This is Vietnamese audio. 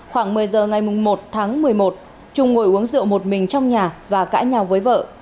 khoảng một mươi giờ ngày một tháng một mươi một trung ngồi uống rượu một mình trong nhà và cãi nhau với vợ